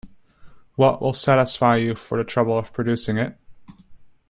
What will satisfy you for the trouble of producing it?